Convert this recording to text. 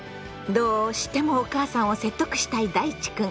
どうしてもお母さんを説得したいだいちくん。